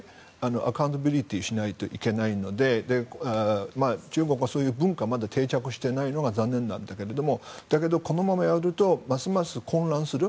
アカウンタビリティーしないといけないので中国はそういう文化がまだ定着していないのが残念なんだけどだけど、このままやるとますます混乱する。